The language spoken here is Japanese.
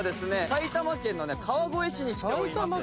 埼玉県の川越市に来ております